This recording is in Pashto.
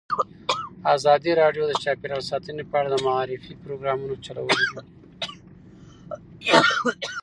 ازادي راډیو د چاپیریال ساتنه په اړه د معارفې پروګرامونه چلولي.